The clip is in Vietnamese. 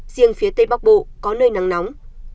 riêng phía tây bắc bộ có nơi nắng nóng